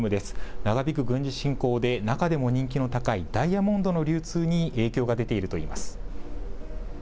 長引く軍事侵攻で、中でも人気の高いダイヤモンドの流通に影響が出ているといいます。